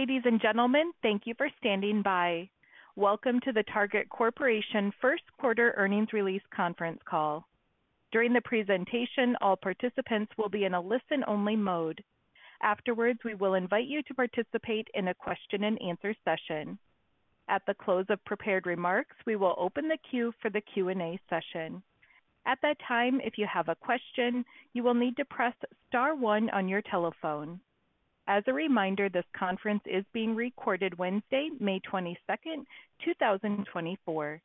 Ladies and gentlemen, thank you for standing by. Welcome to the Target Corporation First Quarter Earnings Release Conference Call. During the presentation, all participants will be in a listen-only mode. Afterwards, we will invite you to participate in a question-and-answer session. At the close of prepared remarks, we will open the queue for the Q&A session. At that time, if you have a question, you will need to press star one on your telephone. As a reminder, this conference is being recorded Wednesday, May 22nd, 2024.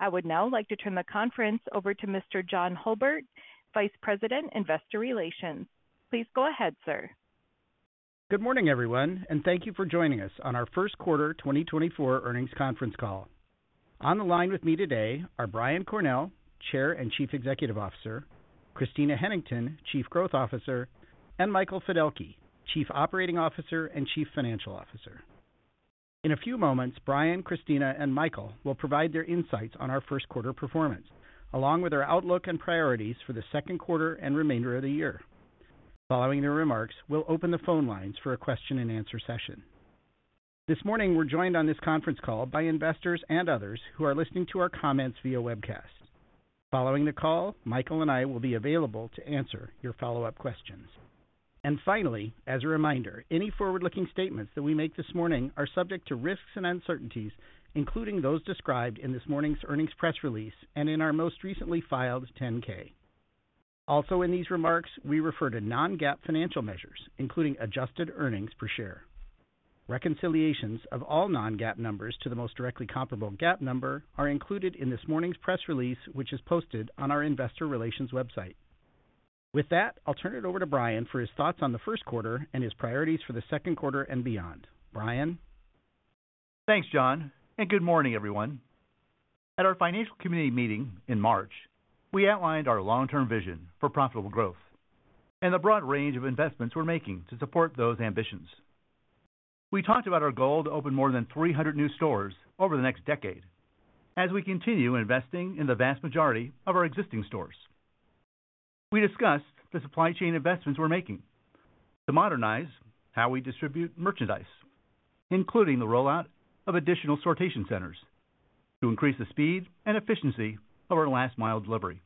I would now like to turn the conference over to Mr. John Hulbert, Vice President, Investor Relations. Please go ahead, sir. Good morning, everyone, and thank you for joining us on our first quarter 2024 earnings conference call. On the line with me today are Brian Cornell, Chair and Chief Executive Officer, Christina Hennington, Chief Growth Officer, and Michael Fiddelke, Chief Operating Officer and Chief Financial Officer. In a few moments, Brian, Christina, and Michael will provide their insights on our first quarter performance, along with our outlook and priorities for the second quarter and remainder of the year. Following their remarks, we'll open the phone lines for a question-and-answer session. This morning, we're joined on this conference call by investors and others who are listening to our comments via webcast. Following the call, Michael and I will be available to answer your follow-up questions. Finally, as a reminder, any forward-looking statements that we make this morning are subject to risks and uncertainties, including those described in this morning's earnings press release and in our most recently filed 10-K. Also, in these remarks, we refer to non-GAAP financial measures, including adjusted earnings per share. Reconciliations of all non-GAAP numbers to the most directly comparable GAAP number are included in this morning's press release, which is posted on our investor relations website. With that, I'll turn it over to Brian for his thoughts on the first quarter and his priorities for the second quarter and beyond. Brian? Thanks, John, and good morning, everyone. At our financial community meeting in March, we outlined our long-term vision for profitable growth and the broad range of investments we're making to support those ambitions. We talked about our goal to open more than 300 new stores over the next decade as we continue investing in the vast majority of our existing stores. We discussed the supply chain investments we're making to modernize how we distribute merchandise, including the rollout of additional sortation centers to increase the speed and efficiency of our last mile delivery.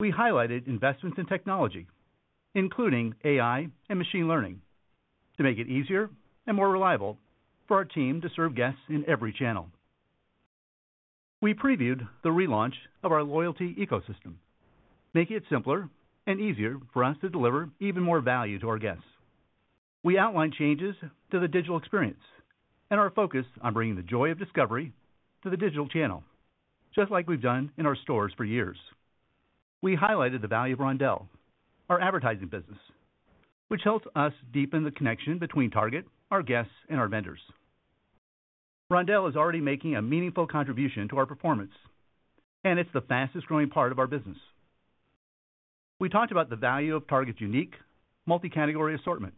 We highlighted investments in technology, including AI and machine learning, to make it easier and more reliable for our team to serve guests in every channel. We previewed the relaunch of our loyalty ecosystem, making it simpler and easier for us to deliver even more value to our guests. We outlined changes to the digital experience and our focus on bringing the joy of discovery to the digital channel, just like we've done in our stores for years. We highlighted the value of Roundel, our advertising business, which helps us deepen the connection between Target, our guests, and our vendors. Roundel is already making a meaningful contribution to our performance, and it's the fastest growing part of our business. We talked about the value of Target's unique multi-category assortment,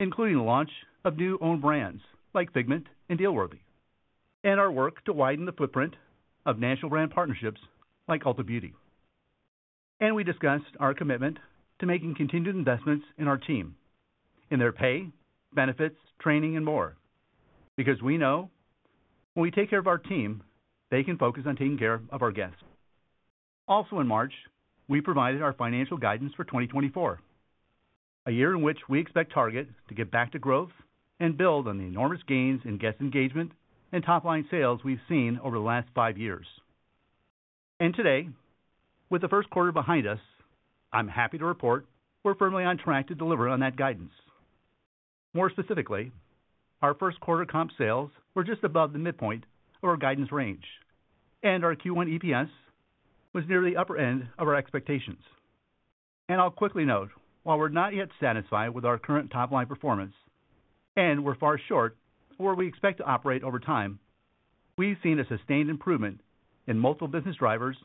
including the launch of new own brands like Figmint and Dealworthy, and our work to widen the footprint of national brand partnerships like Ulta Beauty. We discussed our commitment to making continued investments in our team, in their pay, benefits, training, and more, because we know when we take care of our team, they can focus on taking care of our guests. Also in March, we provided our financial guidance for 2024, a year in which we expect Target to get back to growth and build on the enormous gains in guest engagement and top-line sales we've seen over the last five years. Today, with the first quarter behind us, I'm happy to report we're firmly on track to deliver on that guidance. More specifically, our first quarter comp sales were just above the midpoint of our guidance range, and our Q1 EPS was near the upper end of our expectations. I'll quickly note, while we're not yet satisfied with our current top-line performance, and we're far short of where we expect to operate over time, we've seen a sustained improvement in multiple business drivers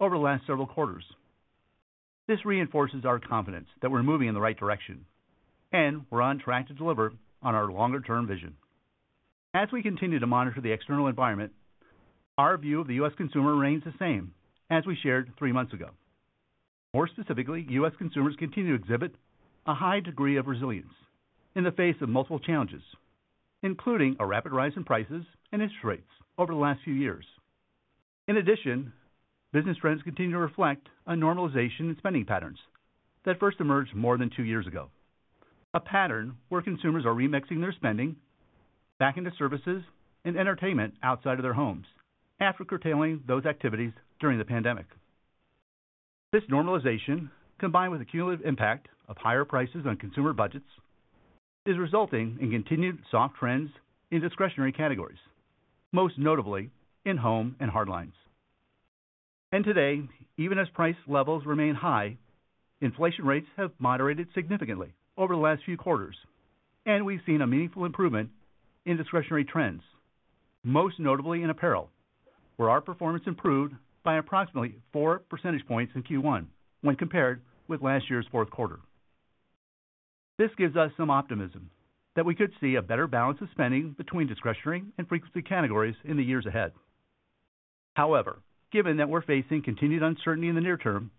over the last several quarters. This reinforces our confidence that we're moving in the right direction, and we're on track to deliver on our longer-term vision. As we continue to monitor the external environment, our view of the U.S. consumer remains the same as we shared three months ago. More specifically, U.S. consumers continue to exhibit a high degree of resilience in the face of multiple challenges, including a rapid rise in prices and interest rates over the last few years. In addition, business trends continue to reflect a normalization in spending patterns that first emerged more than two years ago, a pattern where consumers are remixing their spending back into services and entertainment outside of their homes after curtailing those activities during the pandemic. This normalization, combined with the cumulative impact of higher prices on consumer budgets, is resulting in continued soft trends in discretionary categories, most notably in home and hard lines. Today, even as price levels remain high, inflation rates have moderated significantly over the last few quarters, and we've seen a meaningful improvement in discretionary trends, most notably in apparel, where our performance improved by approximately four percentage points in Q1 when compared with last year's fourth quarter. This gives us some optimism that we could see a better balance of spending between discretionary and frequency categories in the years ahead. However, given that we're facing continued uncertainty in the near term,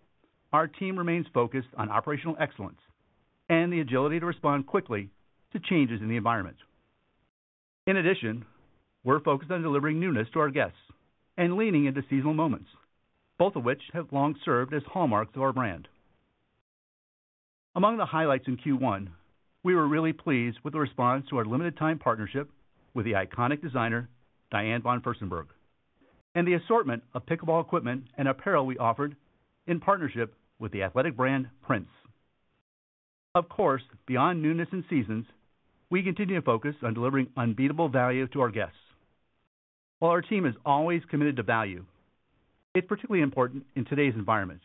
our team remains focused on operational excellence and the agility to respond quickly to changes in the environment. In addition, we're focused on delivering newness to our guests and leaning into seasonal moments, both of which have long served as hallmarks of our brand. Among the highlights in Q1, we were really pleased with the response to our limited time partnership with the iconic designer, Diane von Furstenberg, and the assortment of pickleball equipment and apparel we offered in partnership with the athletic brand Prince. Of course, beyond newness and seasons, we continue to focus on delivering unbeatable value to our guests. While our team is always committed to value, it's particularly important in today's environment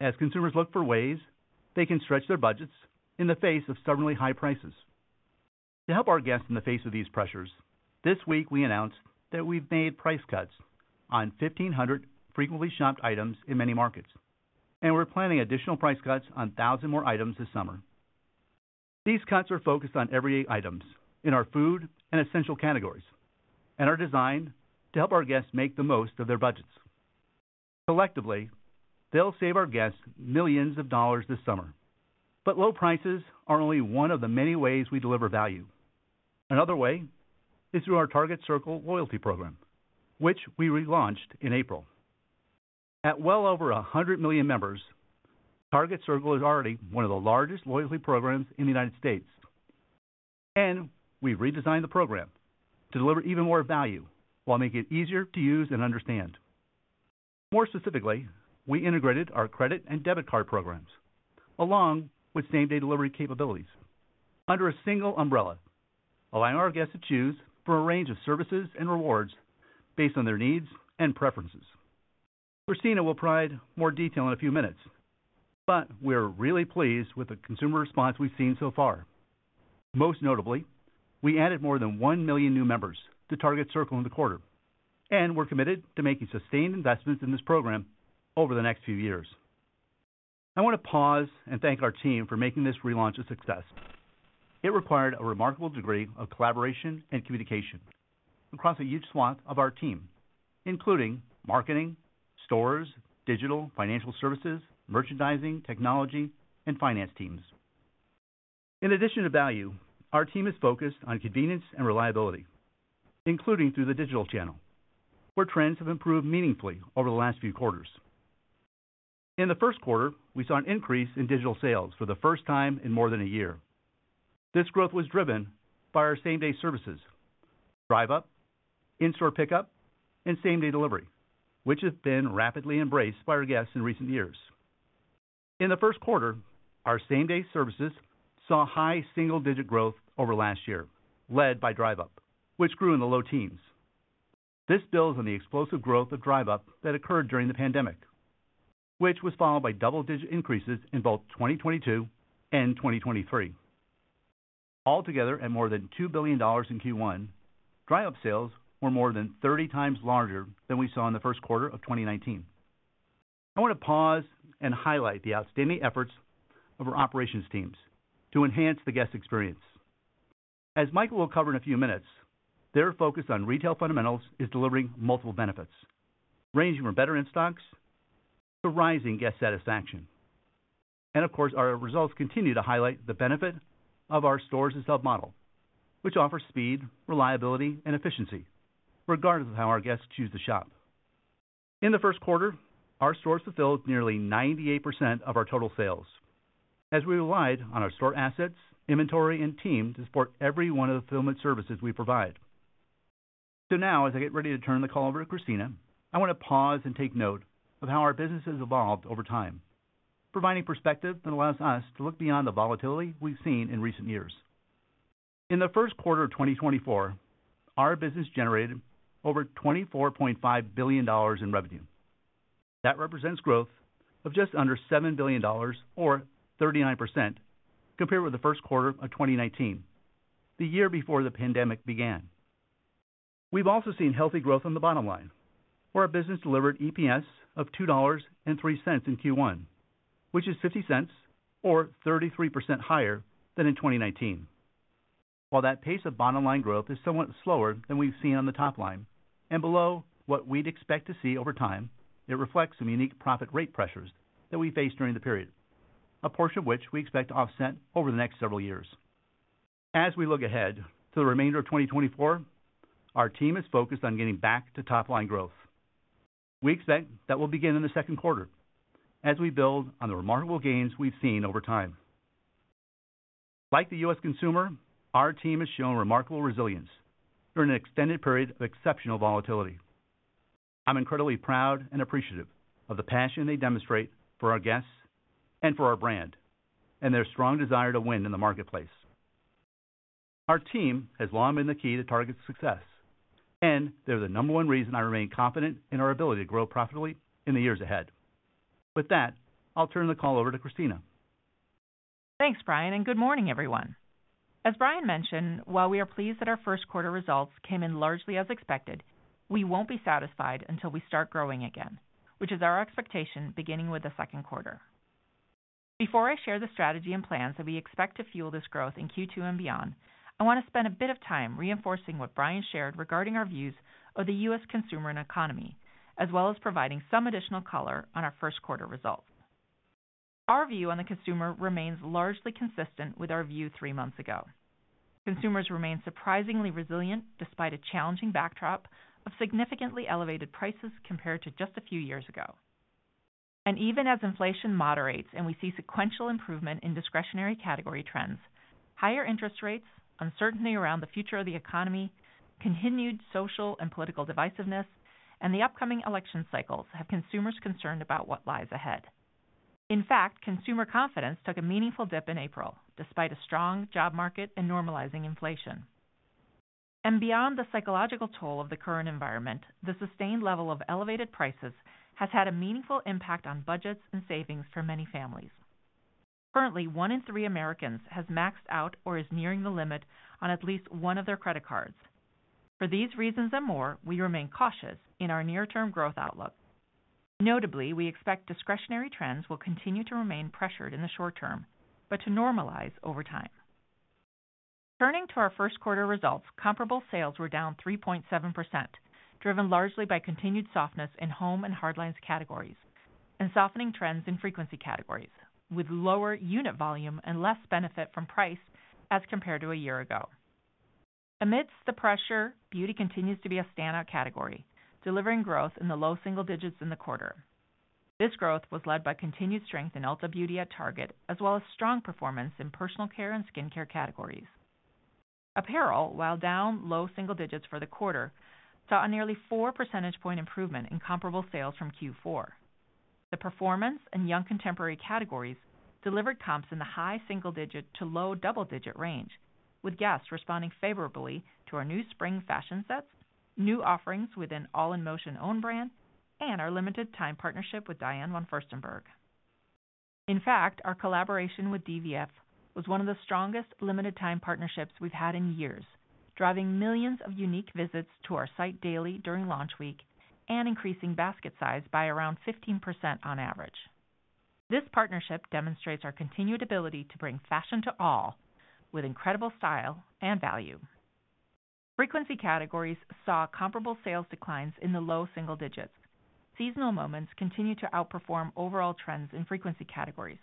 as consumers look for ways they can stretch their budgets in the face of stubbornly high prices. To help our guests in the face of these pressures, this week, we announced that we've made price cuts on 1,500 frequently shopped items in many markets, and we're planning additional price cuts on 1,000 more items this summer. These cuts are focused on everyday items in our food and essential categories and are designed to help our guests make the most of their budgets. Collectively, they'll save our guests millions dollars this summer. But low prices are only one of the many ways we deliver value. Another way is through our Target Circle loyalty program, which we relaunched in April. At well over 100 million members, Target Circle is already one of the largest loyalty programs in the United States, and we've redesigned the program to deliver even more value while making it easier to use and understand. More specifically, we integrated our credit and debit card programs, along with same-day delivery capabilities under a single umbrella, allowing our guests to choose from a range of services and rewards based on their needs and preferences. Christina will provide more detail in a few minutes, but we're really pleased with the consumer response we've seen so far. Most notably, we added more than 1 million new members to Target Circle in the quarter, and we're committed to making sustained investments in this program over the next few years. I want to pause and thank our team for making this relaunch a success. It required a remarkable degree of collaboration and communication across a huge swath of our team, including marketing, stores, digital, financial services, merchandising, technology, and finance teams. In addition to value, our team is focused on convenience and reliability, including through the digital channel, where trends have improved meaningfully over the last few quarters. In the first quarter, we saw an increase in digital sales for the first time in more than a year. This growth was driven by our same-day services, Drive Up, in-store pickup, and same-day delivery, which have been rapidly embraced by our guests in recent years. In the first quarter, our same-day services saw high single-digit growth over last year, led by Drive Up, which grew in the low teens. This builds on the explosive growth of Drive Up that occurred during the pandemic, which was followed by double-digit increases in both 2022 and 2023. Altogether, at more than $2 billion in Q1, Drive Up sales were more than 30 times larger than we saw in the first quarter of 2019. I want to pause and highlight the outstanding efforts of our operations teams to enhance the guest experience. As Michael will cover in a few minutes, their focus on retail fundamentals is delivering multiple benefits, ranging from better in-stocks to rising guest satisfaction. Of course, our results continue to highlight the benefit of our Stores-as-Hubs model, which offers speed, reliability, and efficiency, regardless of how our guests choose to shop. In the first quarter, our stores fulfilled nearly 98% of our total sales as we relied on our store assets, inventory, and team to support every one of the fulfillment services we provide. So now, as I get ready to turn the call over to Christina, I want to pause and take note of how our business has evolved over time, providing perspective that allows us to look beyond the volatility we've seen in recent years. In the first quarter of 2024, our business generated over $24.5 billion in revenue. That represents growth of just under $7 billion or 39% compared with the first quarter of 2019, the year before the pandemic began. We've also seen healthy growth on the bottom line, where our business delivered EPS of $2.03 in Q1, which is $0.50 or 33% higher than in 2019. While that pace of bottom line growth is somewhat slower than we've seen on the top line and below what we'd expect to see over time, it reflects some unique profit rate pressures that we faced during the period, a portion of which we expect to offset over the next several years. As we look ahead to the remainder of 2024, our team is focused on getting back to top-line growth. We expect that will begin in the second quarter as we build on the remarkable gains we've seen over time. Like the U.S. consumer, our team has shown remarkable resilience during an extended period of exceptional volatility. I'm incredibly proud and appreciative of the passion they demonstrate for our guests and for our brand, and their strong desire to win in the marketplace. Our team has long been the key to Target's success, and they're the number one reason I remain confident in our ability to grow profitably in the years ahead. With that, I'll turn the call over to Christina. Thanks, Brian, and good morning, everyone. As Brian mentioned, while we are pleased that our first quarter results came in largely as expected, we won't be satisfied until we start growing again, which is our expectation, beginning with the second quarter. Before I share the strategy and plans that we expect to fuel this growth in Q2 and beyond, I want to spend a bit of time reinforcing what Brian shared regarding our views of the U.S. consumer and economy, as well as providing some additional color on our first quarter results. Our view on the consumer remains largely consistent with our view three months ago. Consumers remain surprisingly resilient, despite a challenging backdrop of significantly elevated prices compared to just a few years ago. Even as inflation moderates and we see sequential improvement in discretionary category trends, higher interest rates, uncertainty around the future of the economy, continued social and political divisiveness, and the upcoming election cycles have consumers concerned about what lies ahead. In fact, consumer confidence took a meaningful dip in April, despite a strong job market and normalizing inflation. Beyond the psychological toll of the current environment, the sustained level of elevated prices has had a meaningful impact on budgets and savings for many families. Currently, one in three Americans has maxed out or is nearing the limit on at least one of their credit cards. For these reasons and more, we remain cautious in our near-term growth outlook. Notably, we expect discretionary trends will continue to remain pressured in the short term, but to normalize over time. Turning to our first quarter results, comparable sales were down 3.7%, driven largely by continued softness in home and hard lines categories and softening trends in frequency categories, with lower unit volume and less benefit from price as compared to a year ago. Amidst the pressure, beauty continues to be a standout category, delivering growth in the low single digits in the quarter. This growth was led by continued strength in Ulta Beauty at Target, as well as strong performance in personal care and skincare categories. Apparel, while down low single digits for the quarter, saw a nearly four percentage point improvement in comparable sales from Q4. The performance and young contemporary categories delivered comps in the high single-digit to low double-digit range, with guests responding favorably to our new spring fashion sets, new offerings within All in Motion own brand, and our limited time partnership with Diane von Furstenberg. In fact, our collaboration with DVF was one of the strongest limited time partnerships we've had in years, driving millions of unique visits to our site daily during launch week and increasing basket size by around 15% on average. This partnership demonstrates our continued ability to bring fashion to all with incredible style and value. Frequency categories saw comparable sales declines in the low single digits. Seasonal moments continue to outperform overall trends in frequency categories,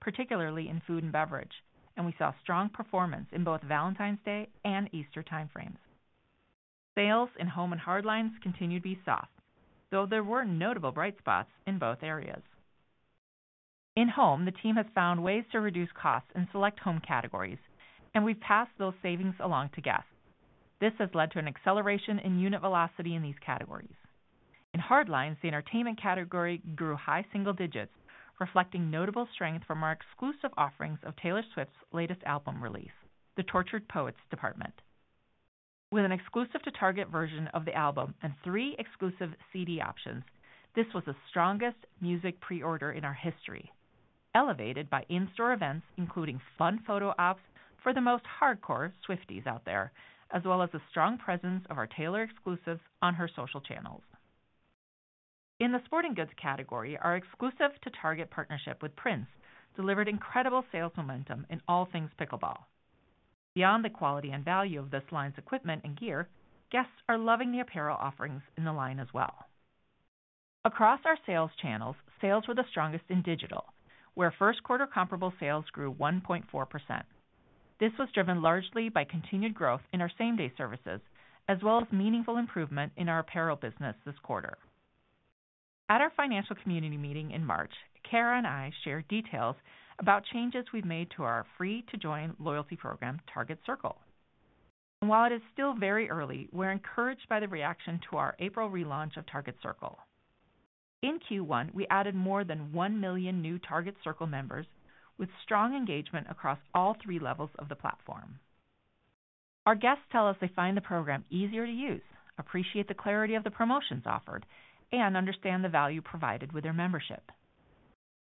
particularly in food and beverage, and we saw strong performance in both Valentine's Day and Easter time frames. Sales in home and hard lines continued to be soft, though there were notable bright spots in both areas. In home, the team has found ways to reduce costs in select home categories, and we've passed those savings along to guests. This has led to an acceleration in unit velocity in these categories. In hard lines, the entertainment category grew high single digits, reflecting notable strength from our exclusive offerings of Taylor Swift's latest album release, The Tortured Poets Department. With an exclusive to Target version of the album and three exclusive CD options, this was the strongest music pre-order in our history, elevated by in-store events, including fun photo ops for the most hardcore Swifties out there, as well as a strong presence of our Taylor exclusives on her social channels. In the sporting goods category, our exclusive to Target partnership with Prince delivered incredible sales momentum in all things pickleball. Beyond the quality and value of this line's equipment and gear, guests are loving the apparel offerings in the line as well. Across our sales channels, sales were the strongest in digital, where first quarter comparable sales grew 1.4%. This was driven largely by continued growth in our same-day services, as well as meaningful improvement in our apparel business this quarter. At our financial community meeting in March, Cara and I shared details about changes we've made to our free-to-join loyalty program, Target Circle. And while it is still very early, we're encouraged by the reaction to our April relaunch of Target Circle. In Q1, we added more than 1 million new Target Circle members with strong engagement across all three levels of the platform. Our guests tell us they find the program easier to use, appreciate the clarity of the promotions offered, and understand the value provided with their membership.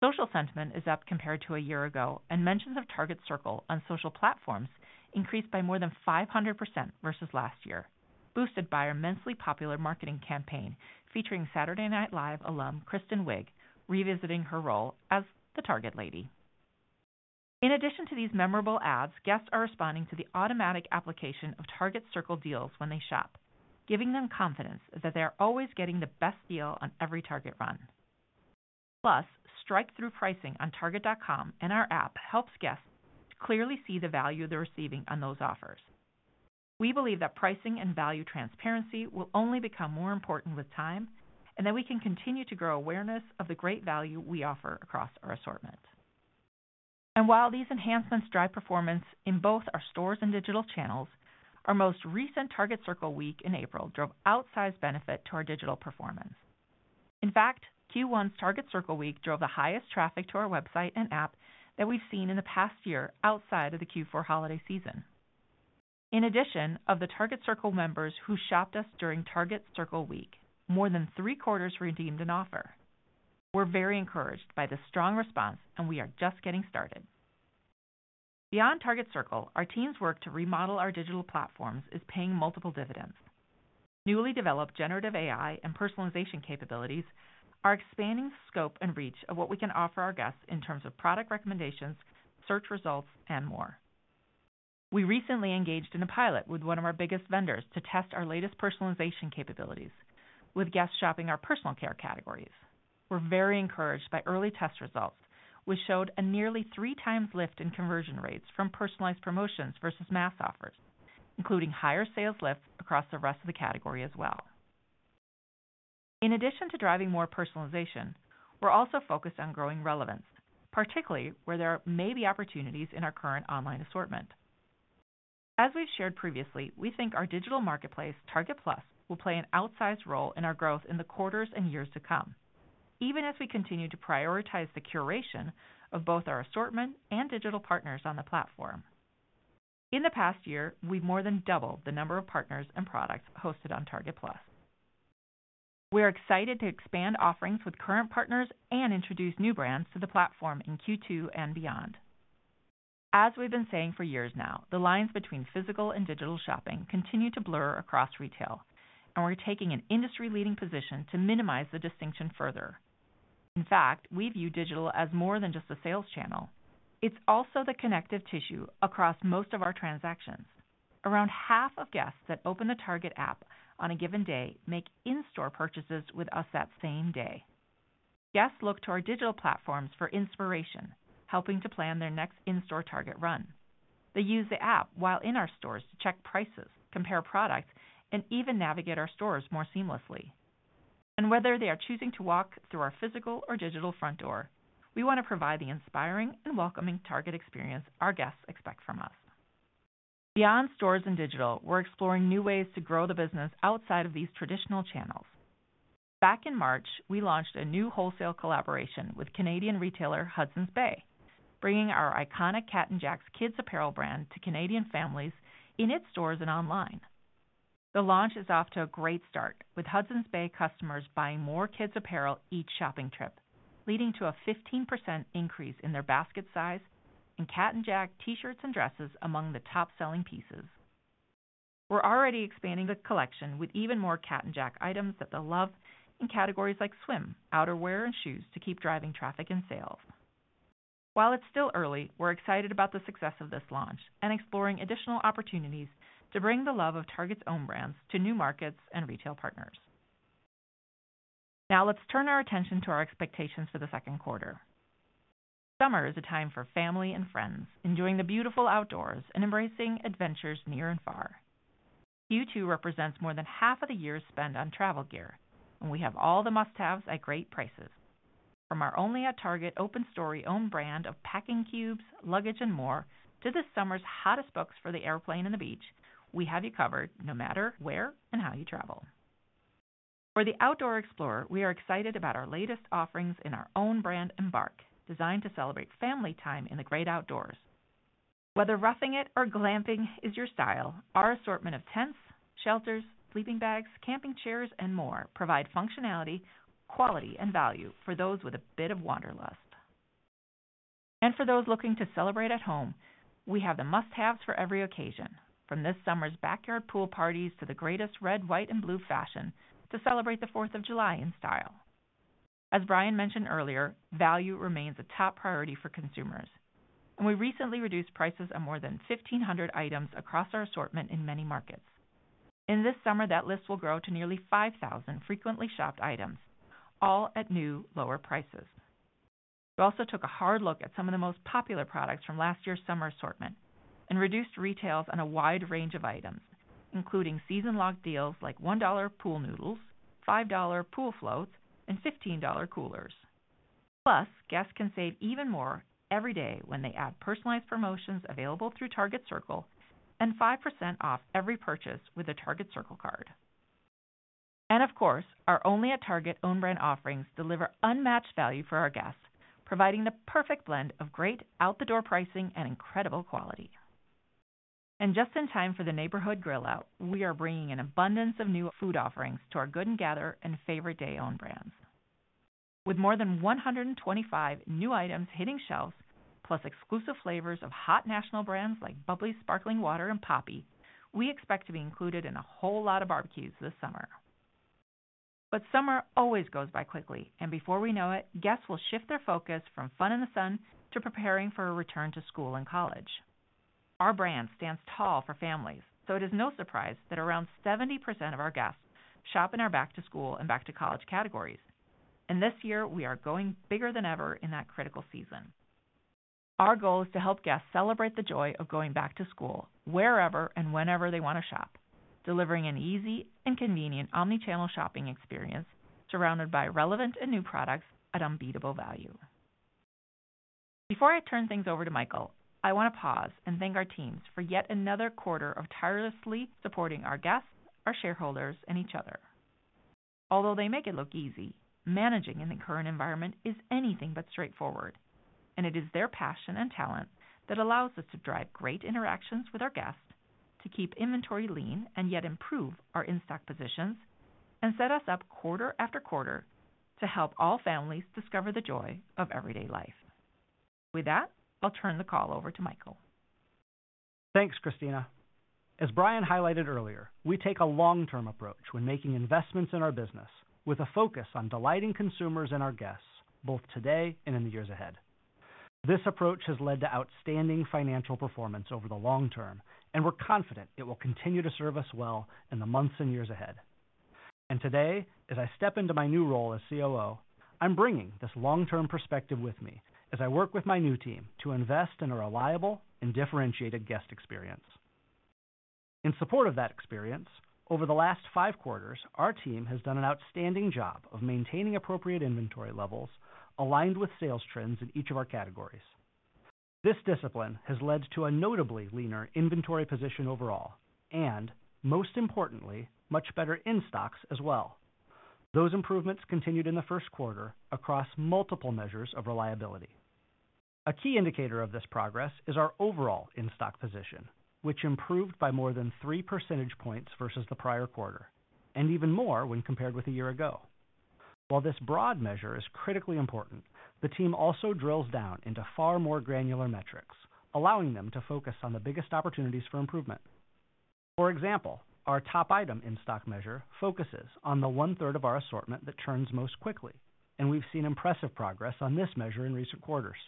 Social sentiment is up compared to a year ago, and mentions of Target Circle on social platforms increased by more than 500% versus last year, boosted by our immensely popular marketing campaign featuring Saturday Night Live alum Kristen Wiig, revisiting her role as the Target lady. In addition to these memorable ads, guests are responding to the automatic application of Target Circle deals when they shop, giving them confidence that they are always getting the best deal on every Target run. Plus, strikethrough pricing on Target.com and our app helps guests clearly see the value they're receiving on those offers. We believe that pricing and value transparency will only become more important with time, and that we can continue to grow awareness of the great value we offer across our assortment. And while these enhancements drive performance in both our stores and digital channels, our most recent Target Circle Week in April drove outsized benefit to our digital performance. In fact, Q1's Target Circle Week drove the highest traffic to our website and app that we've seen in the past year outside of the Q4 holiday season. In addition, of the Target Circle members who shopped us during Target Circle Week, more than three-quarters redeemed an offer. We're very encouraged by the strong response, and we are just getting started. Beyond Target Circle, our team's work to remodel our digital platforms is paying multiple dividends. Newly developed generative AI and personalization capabilities are expanding the scope and reach of what we can offer our guests in terms of product recommendations, search results, and more. We recently engaged in a pilot with one of our biggest vendors to test our latest personalization capabilities with guests shopping our personal care categories. We're very encouraged by early test results, which showed a nearly three times lift in conversion rates from personalized promotions versus mass offers, including higher sales lifts across the rest of the category as well. In addition to driving more personalization, we're also focused on growing relevance, particularly where there may be opportunities in our current online assortment. As we've shared previously, we think our digital marketplace, Target Plus, will play an outsized role in our growth in the quarters and years to come, even as we continue to prioritize the curation of both our assortment and digital partners on the platform. In the past year, we've more than doubled the number of partners and products hosted on Target Plus. We're excited to expand offerings with current partners and introduce new brands to the platform in Q2 and beyond. As we've been saying for years now, the lines between physical and digital shopping continue to blur across retail, and we're taking an industry-leading position to minimize the distinction further. In fact, we view digital as more than just a sales channel. It's also the connective tissue across most of our transactions. Around half of guests that open the Target app on a given day make in-store purchases with us that same day. Guests look to our digital platforms for inspiration, helping to plan their next in-store Target run. They use the app while in our stores to check prices, compare products, and even navigate our stores more seamlessly. Whether they are choosing to walk through our physical or digital front door, we want to provide the inspiring and welcoming Target experience our guests expect from us. Beyond stores and digital, we're exploring new ways to grow the business outside of these traditional channels. Back in March, we launched a new wholesale collaboration with Canadian retailer Hudson's Bay, bringing our iconic Cat & Jack kids' apparel brand to Canadian families in its stores and online. The launch is off to a great start, with Hudson's Bay customers buying more kids' apparel each shopping trip, leading to a 15% increase in their basket size and Cat & Jack T-shirts and dresses among the top-selling pieces. We're already expanding the collection with even more Cat & Jack items that they'll love in categories like swim, outerwear, and shoes to keep driving traffic and sales. While it's still early, we're excited about the success of this launch and exploring additional opportunities to bring the love of Target's own brands to new markets and retail partners. Now, let's turn our attention to our expectations for the second quarter. Summer is a time for family and friends, enjoying the beautiful outdoors and embracing adventures near and far. Q2 represents more than half of the year's spend on travel gear, and we have all the must-haves at great prices. From our Only at Target Open Story own brand of packing cubes, luggage, and more, to this summer's hottest books for the airplane and the beach, we have you covered no matter where and how you travel. For the outdoor explorer, we are excited about our latest offerings in our own brand, Embark, designed to celebrate family time in the great outdoors. Whether roughing it or glamping is your style, our assortment of tents, shelters, sleeping bags, camping chairs, and more provide functionality, quality, and value for those with a bit of wanderlust. And for those looking to celebrate at home, we have the must-haves for every occasion, from this summer's backyard pool parties to the greatest red, white, and blue fashion to celebrate the Fourth of July in style. As Brian mentioned earlier, value remains a top priority for consumers, and we recently reduced prices on more than 1,500 items across our assortment in many markets. In this summer, that list will grow to nearly 5,000 frequently shopped items, all at new, lower prices. We also took a hard look at some of the most popular products from last year's summer assortment and reduced retails on a wide range of items, including season-long deals like $1 pool noodles, $5 pool floats, and $15 coolers. Plus, guests can save even more every day when they add personalized promotions available through Target Circle and 5% off every purchase with a Target Circle Card. And of course, our Only at Target own brand offerings deliver unmatched value for our guests, providing the perfect blend of great out-the-door pricing and incredible quality. Just in time for the neighborhood grill out, we are bringing an abundance of new food offerings to our Good & Gather and Favorite Day own brands. With more than 125 new items hitting shelves, plus exclusive flavors of hot national brands like Bubly sparkling water and Poppi, we expect to be included in a whole lot of barbecues this summer. Summer always goes by quickly, and before we know it, guests will shift their focus from fun in the sun to preparing for a return to school and college. Our brand stands tall for families, so it is no surprise that around 70% of our guests shop in our back-to-school and back-to-college categories. This year, we are going bigger than ever in that critical season. Our goal is to help guests celebrate the joy of going back to school wherever and whenever they want to shop, delivering an easy and convenient omnichannel shopping experience surrounded by relevant and new products at unbeatable value. Before I turn things over to Michael, I want to pause and thank our teams for yet another quarter of tirelessly supporting our guests, our shareholders, and each other. Although they make it look easy, managing in the current environment is anything but straightforward, and it is their passion and talent that allows us to drive great interactions with our guests, to keep inventory lean and yet improve our in-stock positions, and set us up quarter after quarter to help all families discover the joy of everyday life. With that, I'll turn the call over to Michael. Thanks, Christina. As Brian highlighted earlier, we take a long-term approach when making investments in our business, with a focus on delighting consumers and our guests, both today and in the years ahead. This approach has led to outstanding financial performance over the long term, and we're confident it will continue to serve us well in the months and years ahead. And today, as I step into my new role as COO, I'm bringing this long-term perspective with me as I work with my new team to invest in a reliable and differentiated guest experience. In support of that experience, over the last five quarters, our team has done an outstanding job of maintaining appropriate inventory levels aligned with sales trends in each of our categories. This discipline has led to a notably leaner inventory position overall, and most importantly, much better in stocks as well. Those improvements continued in the first quarter across multiple measures of reliability. A key indicator of this progress is our overall in-stock position, which improved by more than three percentage points versus the prior quarter, and even more when compared with a year ago. While this broad measure is critically important, the team also drills down into far more granular metrics, allowing them to focus on the biggest opportunities for improvement. For example, our top item in stock measure focuses on the one-third of our assortment that turns most quickly, and we've seen impressive progress on this measure in recent quarters.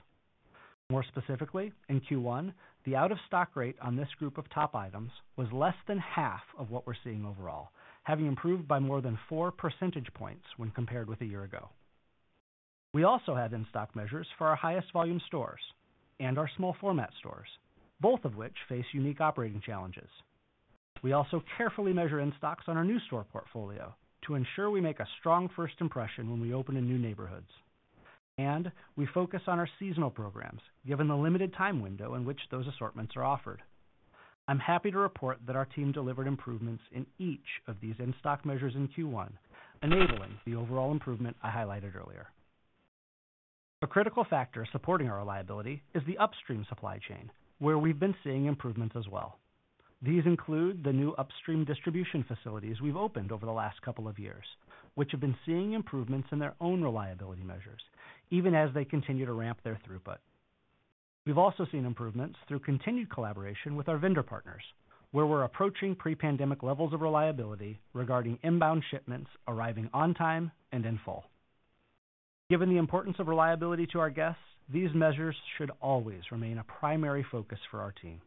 More specifically, in Q1, the out-of-stock rate on this group of top items was less than half of what we're seeing overall, having improved by more than four percentage points when compared with a year ago. We also have in-stock measures for our highest volume stores and our small format stores, both of which face unique operating challenges. We also carefully measure in stocks on our new store portfolio to ensure we make a strong first impression when we open in new neighborhoods, and we focus on our seasonal programs, given the limited time window in which those assortments are offered. I'm happy to report that our team delivered improvements in each of these in-stock measures in Q1, enabling the overall improvement I highlighted earlier. A critical factor supporting our reliability is the upstream supply chain, where we've been seeing improvements as well. These include the new upstream distribution facilities we've opened over the last couple of years, which have been seeing improvements in their own reliability measures, even as they continue to ramp their throughput. We've also seen improvements through continued collaboration with our vendor partners, where we're approaching pre-pandemic levels of reliability regarding inbound shipments arriving on time and in full. Given the importance of reliability to our guests, these measures should always remain a primary focus for our team.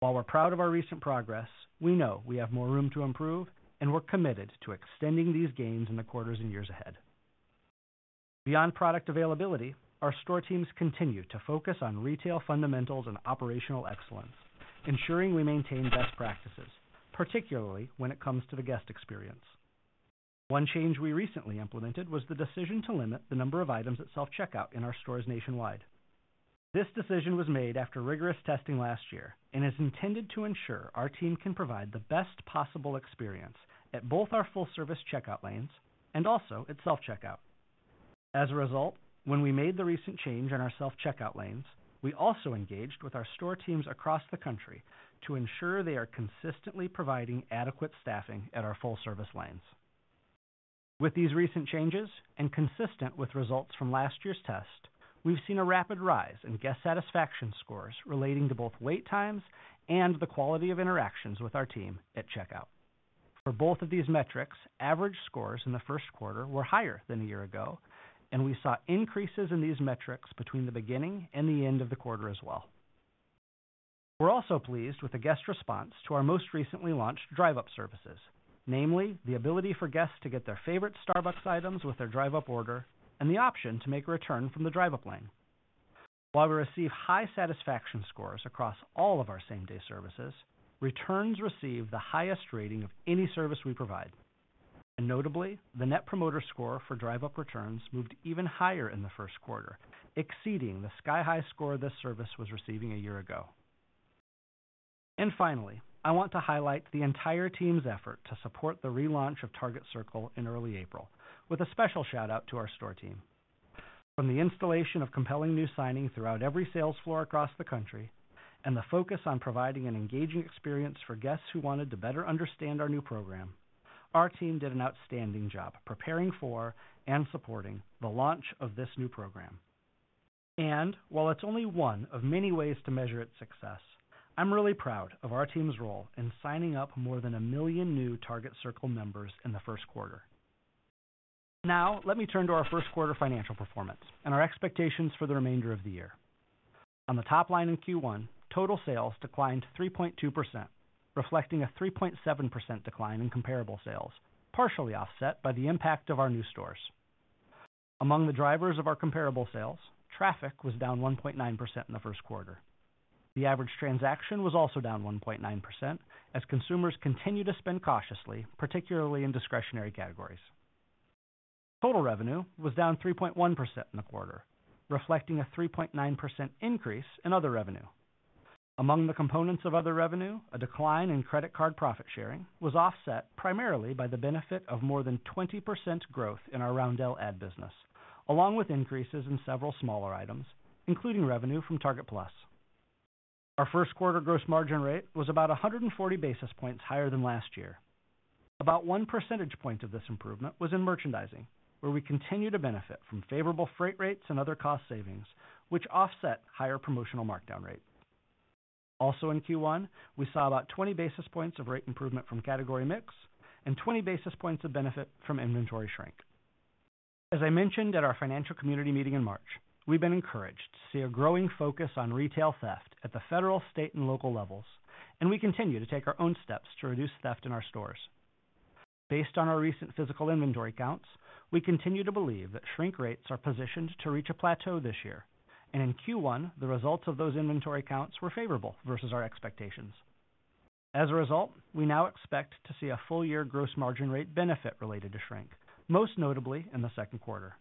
While we're proud of our recent progress, we know we have more room to improve, and we're committed to extending these gains in the quarters and years ahead. Beyond product availability, our store teams continue to focus on retail fundamentals and operational excellence, ensuring we maintain best practices, particularly when it comes to the guest experience. One change we recently implemented was the decision to limit the number of items at self-checkout in our stores nationwide. This decision was made after rigorous testing last year and is intended to ensure our team can provide the best possible experience at both our full service checkout lanes and also at self-checkout. As a result, when we made the recent change in our self-checkout lanes, we also engaged with our store teams across the country to ensure they are consistently providing adequate staffing at our full service lanes. With these recent changes and consistent with results from last year's test, we've seen a rapid rise in guest satisfaction scores relating to both wait times and the quality of interactions with our team at checkout. For both of these metrics, average scores in the first quarter were higher than a year ago, and we saw increases in these metrics between the beginning and the end of the quarter as well. We're also pleased with the guest response to our most recently launched Drive Up services, namely the ability for guests to get their favorite Starbucks items with their Drive Up order and the option to make a return from the Drive Up lane. While we receive high satisfaction scores across all of our same-day services, returns receive the highest rating of any service we provide. Notably, the Net Promoter Score for Drive Up returns moved even higher in the first quarter, exceeding the sky-high score this service was receiving a year ago. Finally, I want to highlight the entire team's effort to support the relaunch of Target Circle in early April, with a special shout out to our store team. From the installation of compelling new signing throughout every sales floor across the country and the focus on providing an engaging experience for guests who wanted to better understand our new program, our team did an outstanding job preparing for and supporting the launch of this new program. And while it's only one of many ways to measure its success, I'm really proud of our team's role in signing up more than 1 million new Target Circle members in the first quarter. Now, let me turn to our first quarter financial performance and our expectations for the remainder of the year. On the top line in Q1, total sales declined 3.2%, reflecting a 3.7% decline in comparable sales, partially offset by the impact of our new stores. Among the drivers of our comparable sales, traffic was down 1.9% in the first quarter. The average transaction was also down 1.9%, as consumers continued to spend cautiously, particularly in discretionary categories. Total revenue was down 3.1% in the quarter, reflecting a 3.9% increase in other revenue. Among the components of other revenue, a decline in credit card profit sharing was offset primarily by the benefit of more than 20% growth in our Roundel ad business, along with increases in several smaller items, including revenue from Target Plus.... Our first quarter gross margin rate was about 140 basis points higher than last year. About 1 percentage point of this improvement was in merchandising, where we continue to benefit from favorable freight rates and other cost savings, which offset higher promotional markdown rate. Also, in Q1, we saw about 20 basis points of rate improvement from category mix and 20 basis points of benefit from inventory shrink. As I mentioned at our financial community meeting in March, we've been encouraged to see a growing focus on retail theft at the federal, state, and local levels, and we continue to take our own steps to reduce theft in our stores. Based on our recent physical inventory counts, we continue to believe that shrink rates are positioned to reach a plateau this year, and in Q1, the results of those inventory counts were favorable versus our expectations. As a result, we now expect to see a full year gross margin rate benefit related to shrink, most notably in the second quarter.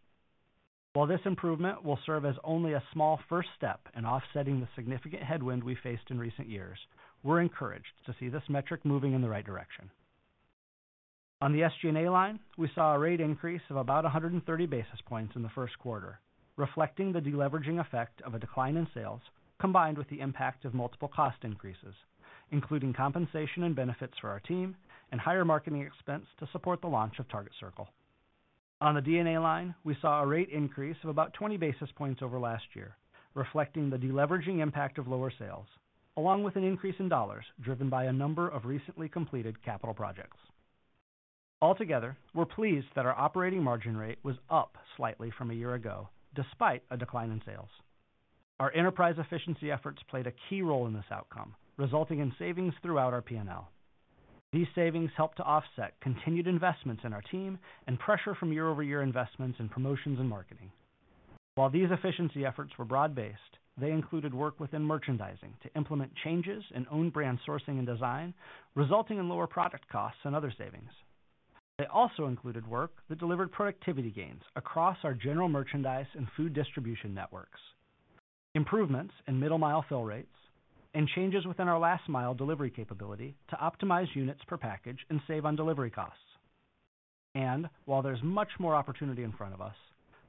While this improvement will serve as only a small first step in offsetting the significant headwind we faced in recent years, we're encouraged to see this metric moving in the right direction. On the SG&A line, we saw a rate increase of about 130 basis points in the first quarter, reflecting the deleveraging effect of a decline in sales, combined with the impact of multiple cost increases, including compensation and benefits for our team and higher marketing expense to support the launch of Target Circle. On the D&A line, we saw a rate increase of about 20 basis points over last year, reflecting the deleveraging impact of lower sales, along with an increase in dollars, driven by a number of recently completed capital projects. Altogether, we're pleased that our operating margin rate was up slightly from a year ago, despite a decline in sales. Our enterprise efficiency efforts played a key role in this outcome, resulting in savings throughout our P&L. These savings helped to offset continued investments in our team and pressure from year-over-year investments in promotions and marketing. While these efficiency efforts were broad-based, they included work within merchandising to implement changes in own brand sourcing and design, resulting in lower product costs and other savings. They also included work that delivered productivity gains across our general merchandise and food distribution networks, improvements in middle mile fill rates and changes within our last mile delivery capability to optimize units per package and save on delivery costs. While there's much more opportunity in front of us,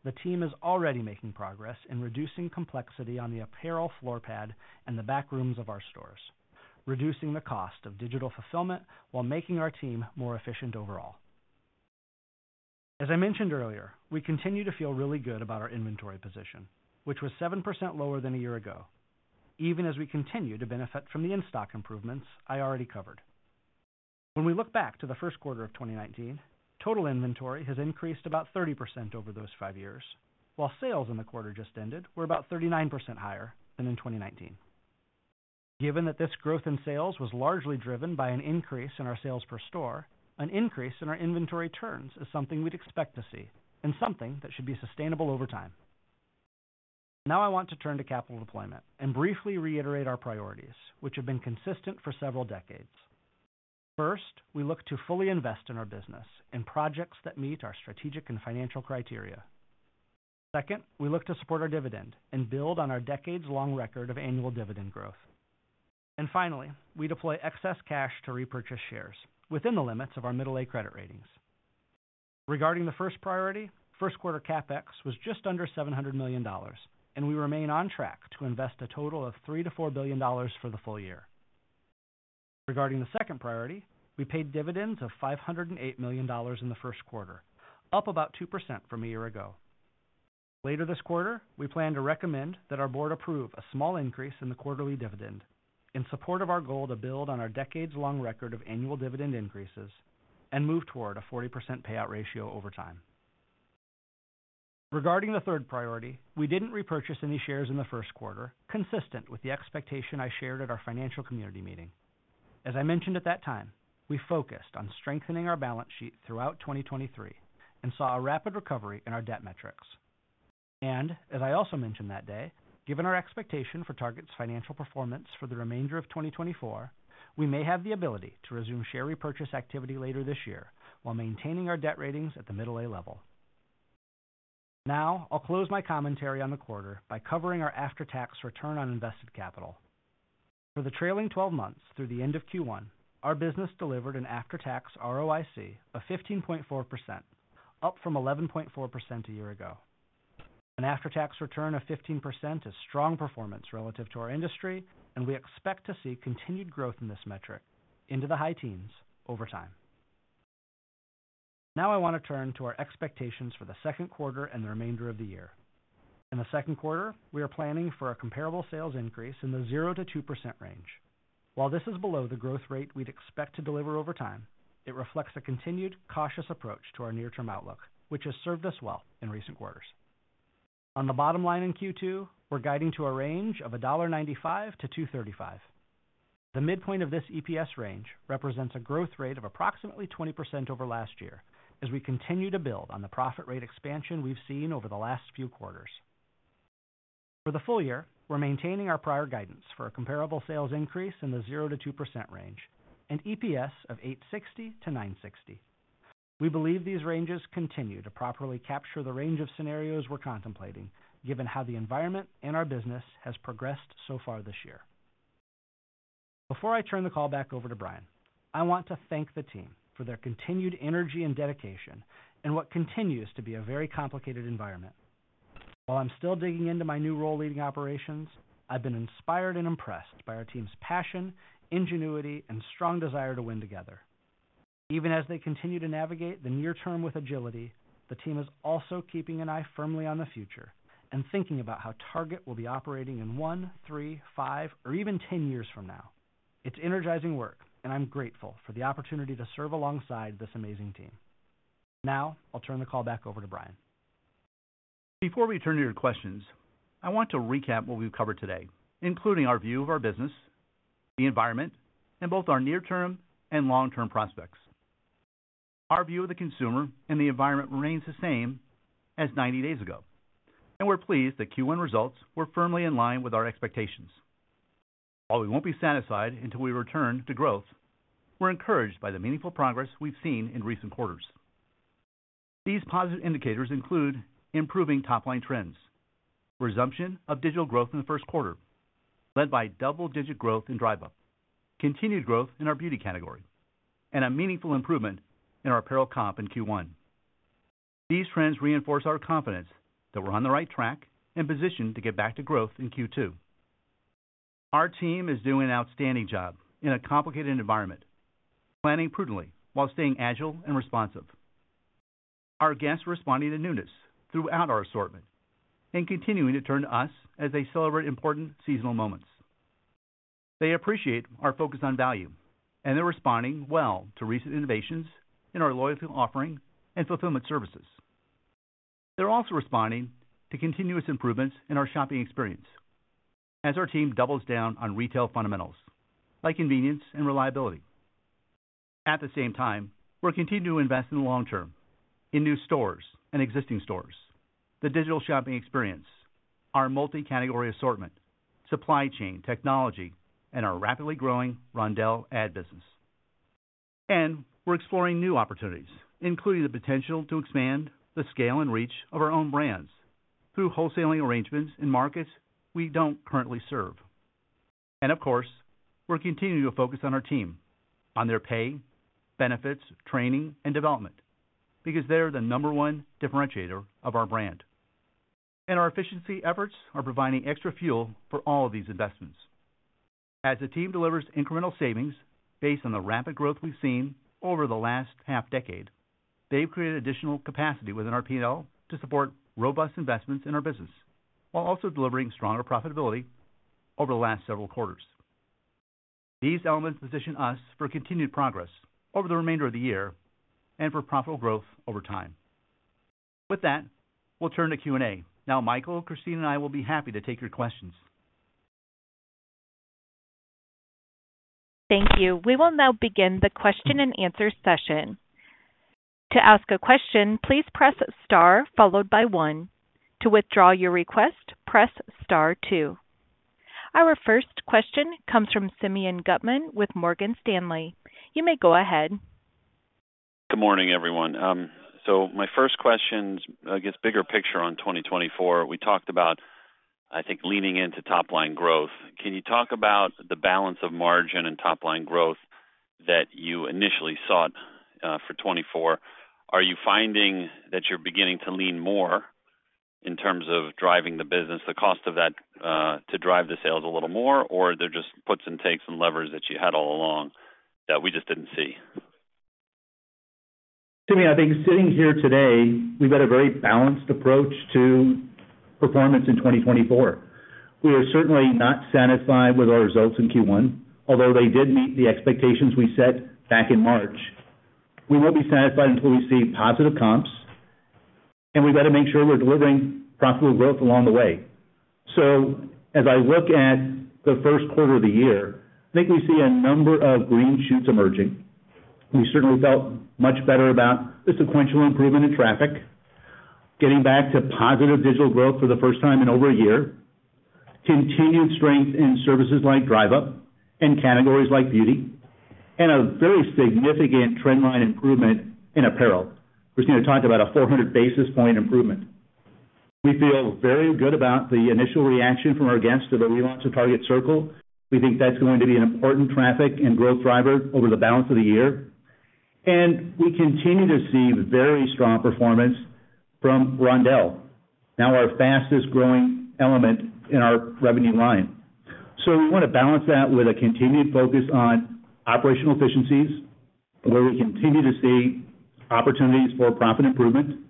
the team is already making progress in reducing complexity on the apparel floor pad and the back rooms of our stores, reducing the cost of digital fulfillment while making our team more efficient overall. As I mentioned earlier, we continue to feel really good about our inventory position, which was 7% lower than a year ago, even as we continue to benefit from the in-stock improvements I already covered. When we look back to the first quarter of 2019, total inventory has increased about 30% over those five years, while sales in the quarter just ended were about 39% higher than in 2019. Given that this growth in sales was largely driven by an increase in our sales per store, an increase in our inventory turns is something we'd expect to see and something that should be sustainable over time. Now I want to turn to capital deployment and briefly reiterate our priorities, which have been consistent for several decades. First, we look to fully invest in our business in projects that meet our strategic and financial criteria. Second, we look to support our dividend and build on our decades-long record of annual dividend growth. And finally, we deploy excess cash to repurchase shares within the limits of our Middle A credit ratings. Regarding the first priority, first quarter CapEx was just under $700 million, and we remain on track to invest a total of $3 billion-$4 billion for the full year. Regarding the second priority, we paid dividends of $508 million in the first quarter, up about 2% from a year ago. Later this quarter, we plan to recommend that our board approve a small increase in the quarterly dividend in support of our goal to build on our decades-long record of annual dividend increases and move toward a 40% payout ratio over time. Regarding the third priority, we didn't repurchase any shares in the first quarter, consistent with the expectation I shared at our financial community meeting. As I mentioned at that time, we focused on strengthening our balance sheet throughout 2023 and saw a rapid recovery in our debt metrics. And as I also mentioned that day, given our expectation for Target's financial performance for the remainder of 2024, we may have the ability to resume share repurchase activity later this year while maintaining our debt ratings at the Middle A level. Now, I'll close my commentary on the quarter by covering our after-tax return on invested capital. For the trailing twelve months through the end of Q1, our business delivered an after-tax ROIC of 15.4%, up from 11.4% a year ago. An after-tax return of 15% is strong performance relative to our industry, and we expect to see continued growth in this metric into the high teens over time. Now I want to turn to our expectations for the second quarter and the remainder of the year. In the second quarter, we are planning for a comparable sales increase in the 0%-2% range. While this is below the growth rate we'd expect to deliver over time, it reflects a continued cautious approach to our near-term outlook, which has served us well in recent quarters. On the bottom line in Q2, we're guiding to a range of $1.95-$2.35. The midpoint of this EPS range represents a growth rate of approximately 20% over last year as we continue to build on the profit rate expansion we've seen over the last few quarters. For the full year, we're maintaining our prior guidance for a comparable sales increase in the 0%-2% range and EPS of $8.60-$9.60. We believe these ranges continue to properly capture the range of scenarios we're contemplating, given how the environment and our business has progressed so far this year. Before I turn the call back over to Brian, I want to thank the team for their continued energy and dedication in what continues to be a very complicated environment. While I'm still digging into my new role leading operations, I've been inspired and impressed by our team's passion, ingenuity, and strong desire to win together. Even as they continue to navigate the near term with agility, the team is also keeping an eye firmly on the future and thinking about how Target will be operating in one, three, five, or even ten years from now. It's energizing work, and I'm grateful for the opportunity to serve alongside this amazing team. Now, I'll turn the call back over to Brian. Before we turn to your questions, I want to recap what we've covered today, including our view of our business, the environment, and both our near-term and long-term prospects. Our view of the consumer and the environment remains the same as 90 days ago, and we're pleased that Q1 results were firmly in line with our expectations. While we won't be satisfied until we return to growth, we're encouraged by the meaningful progress we've seen in recent quarters. These positive indicators include improving top-line trends, resumption of digital growth in the first quarter, led by double-digit growth in Drive Up, continued growth in our beauty category, and a meaningful improvement in our apparel comp in Q1. These trends reinforce our confidence that we're on the right track and positioned to get back to growth in Q2. Our team is doing an outstanding job in a complicated environment, planning prudently while staying agile and responsive. Our guests are responding to newness throughout our assortment and continuing to turn to us as they celebrate important seasonal moments. They appreciate our focus on value, and they're responding well to recent innovations in our loyalty offering and fulfillment services. They're also responding to continuous improvements in our shopping experience as our team doubles down on retail fundamentals like convenience and reliability. At the same time, we're continuing to invest in the long term, in new stores and existing stores, the digital shopping experience, our multi-category assortment, supply chain, technology, and our rapidly growing Roundel ad business. We're exploring new opportunities, including the potential to expand the scale and reach of our own brands through wholesaling arrangements in markets we don't currently serve. Of course, we're continuing to focus on our team, on their pay, benefits, training, and development, because they're the number one differentiator of our brand. Our efficiency efforts are providing extra fuel for all of these investments. As the team delivers incremental savings based on the rapid growth we've seen over the last half decade, they've created additional capacity within our P&L to support robust investments in our business, while also delivering stronger profitability over the last several quarters. These elements position us for continued progress over the remainder of the year and for profitable growth over time. With that, we'll turn to Q&A. Now, Michael, Christina, and I will be happy to take your questions. Thank you. We will now begin the question-and-answer session. To ask a question, please press star followed by one. To withdraw your request, press star two. Our first question comes from Simeon Gutman with Morgan Stanley. You may go ahead. Good morning, everyone. So my first question is, I guess, bigger picture on 2024. We talked about, I think, leaning into top-line growth. Can you talk about the balance of margin and top line growth that you initially sought, for 2024? Are you finding that you're beginning to lean more in terms of driving the business, the cost of that, to drive the sales a little more, or they're just puts and takes and levers that you had all along that we just didn't see? Simeon, I think sitting here today, we've had a very balanced approach to performance in 2024. We are certainly not satisfied with our results in Q1, although they did meet the expectations we set back in March. We won't be satisfied until we see positive comps, and we've got to make sure we're delivering profitable growth along the way. So as I look at the first quarter of the year, I think we see a number of green shoots emerging. We certainly felt much better about the sequential improvement in traffic, getting back to positive digital growth for the first time in over a year, continued strength in services like Drive Up and categories like beauty, and a very significant trend line improvement in apparel. We're going to talk about a 400 basis point improvement. We feel very good about the initial reaction from our guests to the relaunch of Target Circle. We think that's going to be an important traffic and growth driver over the balance of the year. We continue to see very strong performance from Roundel, now our fastest growing element in our revenue line. We want to balance that with a continued focus on operational efficiencies, where we continue to see opportunities for profit improvement,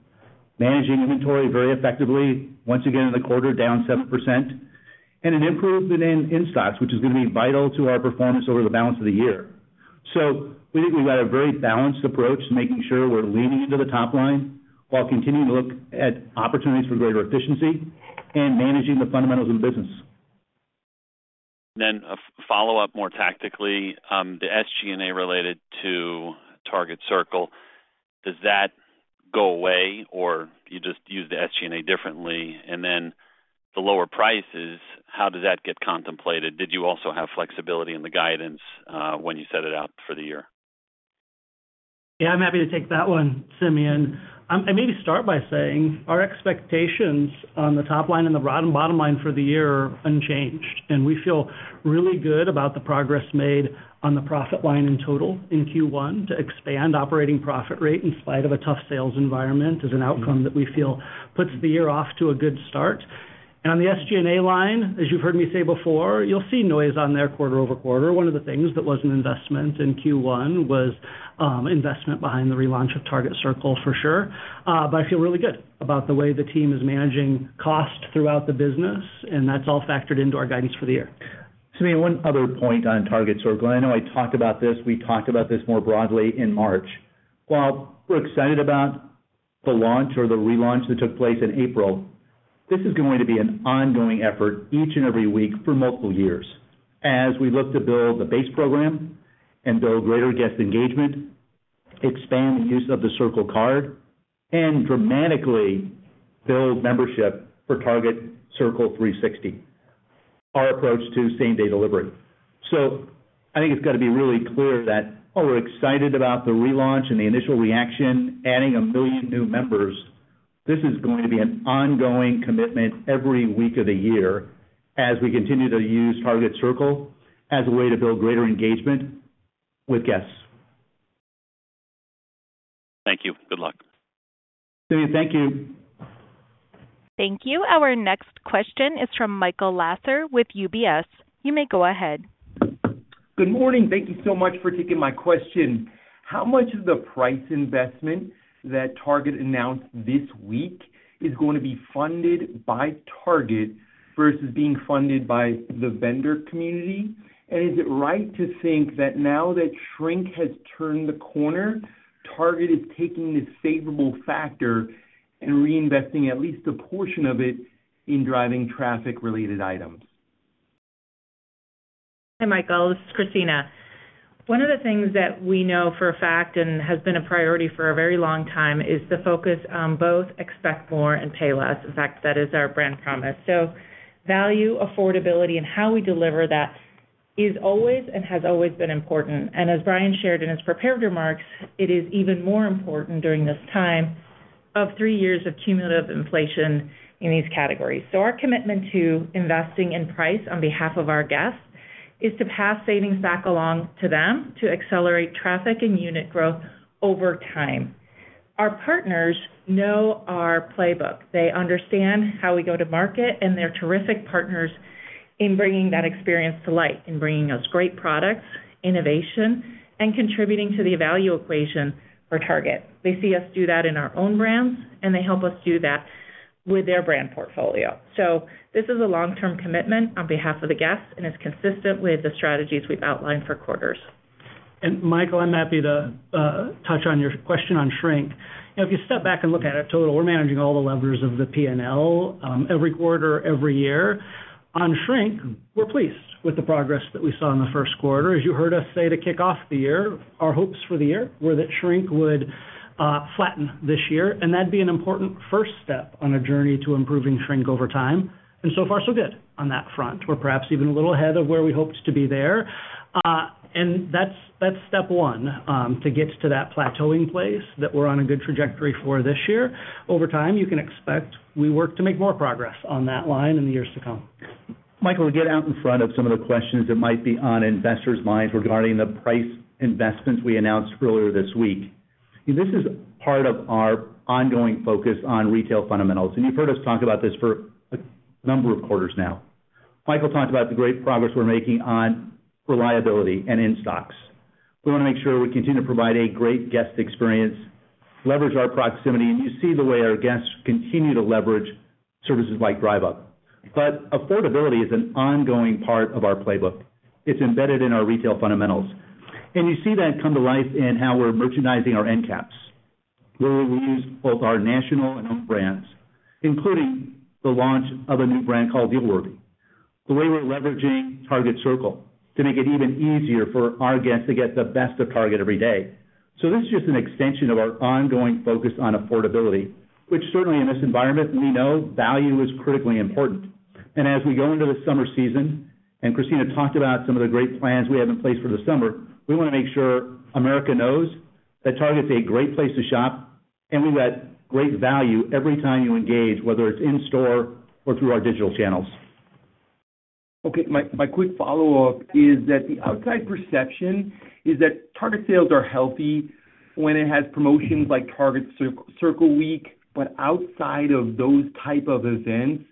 managing inventory very effectively, once again in the quarter, down 7%, and an improvement in in-stocks, which is going to be vital to our performance over the balance of the year. We think we've got a very balanced approach, making sure we're leaning into the top line while continuing to look at opportunities for greater efficiency and managing the fundamentals of the business. Then a follow-up, more tactically, the SG&A related to Target Circle, does that go away, or you just use the SG&A differently? And then the lower prices, how does that get contemplated? Did you also have flexibility in the guidance, when you set it out for the year? Yeah, I'm happy to take that one, Simeon. I maybe start by saying our expectations on the top line and the bottom, bottom line for the year are unchanged, and we feel really good about the progress made on the profit line in total in Q1 to expand operating profit rate in spite of a tough sales environment, is an outcome that we feel puts the year off to a good start. And on the SG&A line, as you've heard me say before, you'll see noise on there quarter-over-quarter. One of the things that was an investment in Q1 was investment behind the relaunch of Target Circle, for sure. But I feel really good about the way the team is managing cost throughout the business, and that's all factored into our guidance for the year. Simeon, one other point on Target Circle. I know I talked about this, we talked about this more broadly in March. While we're excited about the launch or the relaunch that took place in April, this is going to be an ongoing effort each and every week for multiple years as we look to build the base program and build greater guest engagement, expand the use of the Circle Card, and dramatically build membership for Target Circle 360, our approach to same-day delivery. So I think it's got to be really clear that while we're excited about the relaunch and the initial reaction, adding 1 million new members, this is going to be an ongoing commitment every week of the year as we continue to use Target Circle as a way to build greater engagement with guests. Thank you. Good luck. Simeon, thank you. Thank you. Our next question is from Michael Lasser with UBS. You may go ahead. Good morning. Thank you so much for taking my question. How much of the price investment that Target announced this week is going to be funded by Target versus being funded by the vendor community? And is it right to think that now that shrink has turned the corner, Target is taking this favorable factor and reinvesting at least a portion of it in driving traffic-related items? Hi, Michael, this is Christina. One of the things that we know for a fact and has been a priority for a very long time, is the focus on both expect more and pay less. In fact, that is our brand promise. So value, affordability, and how we deliver that is always and has always been important. And as Brian shared in his prepared remarks, it is even more important during this time of three years of cumulative inflation in these categories. So our commitment to investing in price on behalf of our guests, is to pass savings back along to them to accelerate traffic and unit growth over time. Our partners know our playbook. They understand how we go to market, and they're terrific partners in bringing that experience to light, in bringing us great products, innovation, and contributing to the value equation for Target. They see us do that in our own brands, and they help us do that with their brand portfolio. So this is a long-term commitment on behalf of the guests, and it's consistent with the strategies we've outlined for quarters. Michael, I'm happy to touch on your question on shrink. If you step back and look at it total, we're managing all the levers of the P&L every quarter, every year. On shrink, we're pleased with the progress that we saw in the first quarter. As you heard us say, to kick off the year, our hopes for the year were that shrink would flatten this year, and that'd be an important first step on a journey to improving shrink over time, and so far, so good on that front. We're perhaps even a little ahead of where we hoped to be there. And that's, that's step one, to get to that plateauing place that we're on a good trajectory for this year. Over time, you can expect we work to make more progress on that line in the years to come. Michael, to get out in front of some of the questions that might be on investors' minds regarding the price investments we announced earlier this week. This is part of our ongoing focus on retail fundamentals, and you've heard us talk about this for a number of quarters now. Michael talked about the great progress we're making on reliability and in-stock. We wanna make sure we continue to provide a great guest experience, leverage our proximity, and you see the way our guests continue to leverage services like Drive Up. But affordability is an ongoing part of our playbook. It's embedded in our retail fundamentals, and you see that come to life in how we're merchandising our end caps, where we use both our national and own brands, including the launch of a new brand called Dealworthy. The way we're leveraging Target Circle to make it even easier for our guests to get the best of Target every day. So this is just an extension of our ongoing focus on affordability, which certainly in this environment, we know value is critically important. And as we go into the summer season, and Christina talked about some of the great plans we have in place for the summer, we wanna make sure America knows that Target is a great place to shop, and we've got great value every time you engage, whether it's in store or through our digital channels. Okay, my, my quick follow-up is that the outside perception is that Target sales are healthy when it has promotions like Target Circle, Circle Week, but outside of those type of events,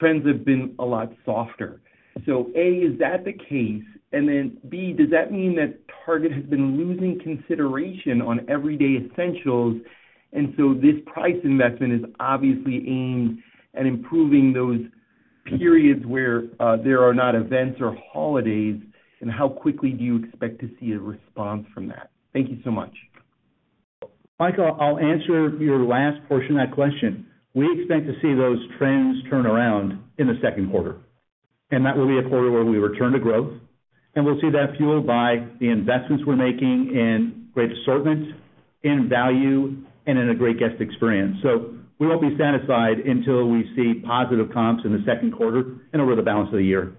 trends have been a lot softer. So A, is that the case? And then B, does that mean that Target has been losing consideration on everyday essentials, and so this price investment is obviously aimed at improving those periods where there are not events or holidays, and how quickly do you expect to see a response from that? Thank you so much. Michael, I'll answer your last portion of that question. We expect to see those trends turn around in the second quarter, and that will be a quarter where we return to growth, and we'll see that fueled by the investments we're making in great assortment, in value, and in a great guest experience. So we won't be satisfied until we see positive comps in the second quarter and over the balance of the year.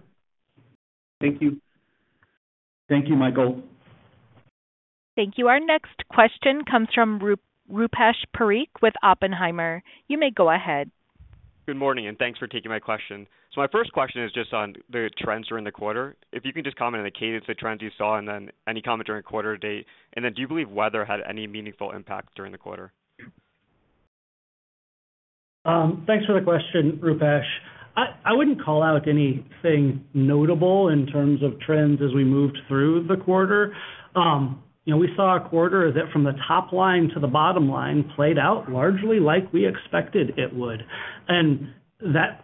Thank you. Thank you, Michael. Thank you. Our next question comes from Rupesh Parikh with Oppenheimer. You may go ahead. Good morning, and thanks for taking my question. My first question is just on the trends during the quarter. If you can just comment on the cadence, the trends you saw, and then any comment during quarter to date, and then do you believe weather had any meaningful impact during the quarter? Thanks for the question, Rupesh. I wouldn't call out anything notable in terms of trends as we moved through the quarter. You know, we saw a quarter that, from the top line to the bottom line, played out largely like we expected it would. And that's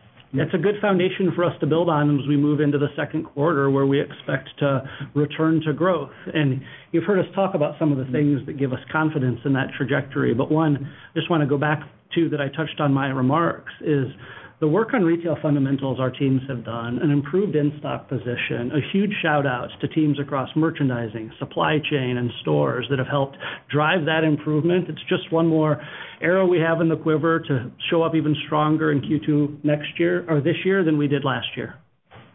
a good foundation for us to build on as we move into the second quarter, where we expect to return to growth. And you've heard us talk about some of the things that give us confidence in that trajectory, but one, just wanna go back to, that I touched on in my remarks, is the work on retail fundamentals our teams have done, an improved in-stock position, a huge shout-out to teams across merchandising, supply chain, and stores that have helped drive that improvement. It's just one more arrow we have in the quiver to show up even stronger in Q2 next year, or this year, than we did last year.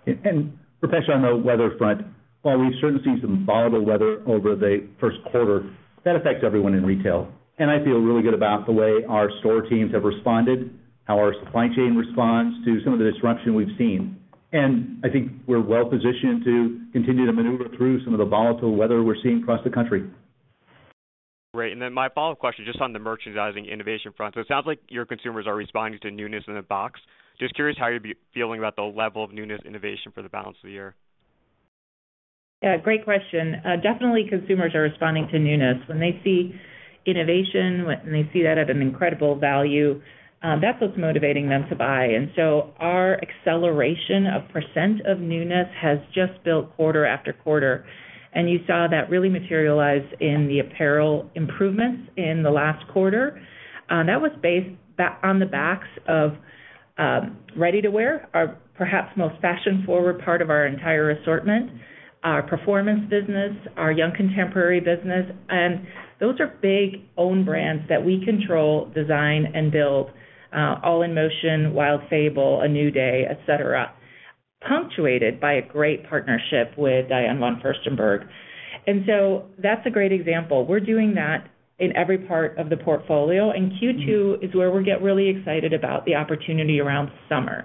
Rupesh, on the weather front, while we've certainly seen some volatile weather over the first quarter, that affects everyone in retail, and I feel really good about the way our store teams have responded, how our supply chain responds to some of the disruption we've seen. And I think we're well positioned to continue to maneuver through some of the volatile weather we're seeing across the country. Great. And then my follow-up question, just on the merchandising innovation front. So it sounds like your consumers are responding to newness in a box. Just curious how you're feeling about the level of newness innovation for the balance of the year? Yeah, great question. Definitely consumers are responding to newness. When they see innovation, when they see that at an incredible value, that's what's motivating them to buy. And so our acceleration of percent of newness has just built quarter after quarter, and you saw that really materialize in the apparel improvements in the last quarter. That was based back on the backs of, ready-to-wear, our perhaps most fashion-forward part of our entire assortment, our performance business, our young contemporary business. And those are big own brands that we control, design, and build, All in Motion, Wild Fable, A New Day, et cetera, punctuated by a great partnership with Diane von Furstenberg. And so that's a great example. We're doing that in every part of the portfolio, and Q2 is where we get really excited about the opportunity around summer.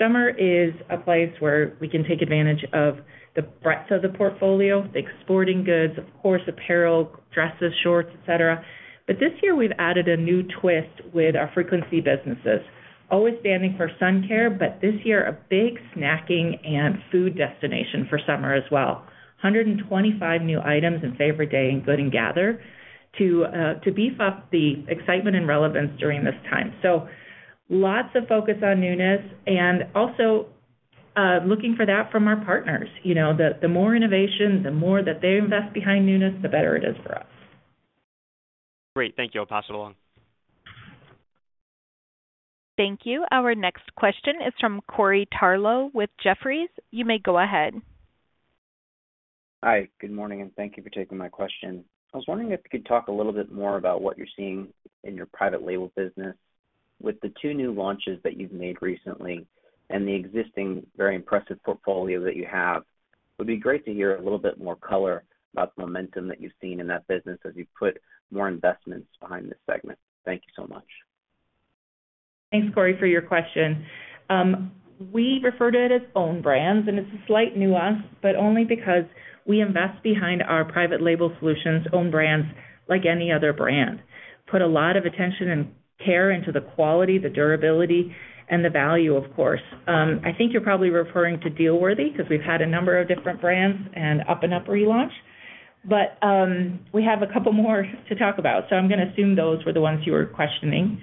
Summer is a place where we can take advantage of the breadth of the portfolio, like sporting goods, of course, apparel, dresses, shorts, et cetera. But this year we've added a new twist with our frequency businesses, always standing for sun care, but this year, a big snacking and food destination for summer as well. 125 new items in Favorite Day and Good & Gather to beef up the excitement and relevance during this time. So lots of focus on newness and also, looking for that from our partners. You know, the more innovation, the more that they invest behind newness, the better it is for us. Great. Thank you. I'll pass it along. Thank you. Our next question is from Corey Tarlowe with Jefferies. You may go ahead. Hi, good morning, and thank you for taking my question. I was wondering if you could talk a little bit more about what you're seeing in your private label business. With the two new launches that you've made recently and the existing very impressive portfolio that you have, it would be great to hear a little bit more color about the momentum that you've seen in that business as you've put more investments behind this segment. Thank you so much. Thanks, Corey, for your question. We refer to it as own brands, and it's a slight nuance, but only because we invest behind our private label solutions, own brands, like any other brand. Put a lot of attention and care into the quality, the durability, and the value, of course. I think you're probably referring to Dealworthy, because we've had a number of different brands and Up & Up relaunch. But, we have a couple more to talk about, so I'm gonna assume those were the ones you were questioning.